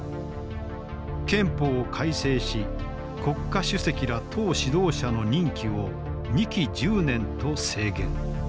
憲法を改正し国家主席ら党指導者の任期を２期１０年と制限。